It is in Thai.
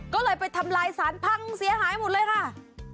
ก็เลยไปทำลายสารพังเสียหายหมดเลยค่ะ